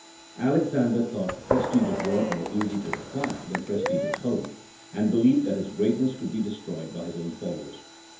Alexander thought prestige abroad more easy to acquire than prestige at home, and believed that his greatness could be destroyed by his own followers.